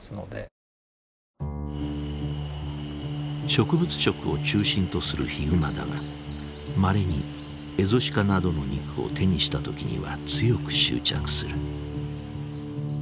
植物食を中心とするヒグマだがまれにエゾシカなどの肉を手にした時には強く執着する。